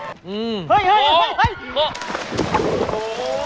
โอ้โฮ